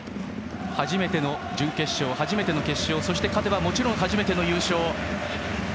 初めての準決勝初めての決勝そして勝てばもちろん初めての優勝。